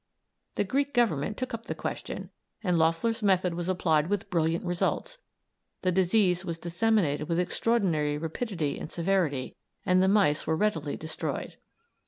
The Greek Government took up the question, and Loeffler's method was applied with brilliant results; the disease was disseminated with extraordinary rapidity and severity, and the mice were readily destroyed.